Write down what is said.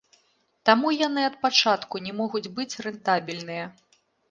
Таму яны ад пачатку не могуць быць рэнтабельныя.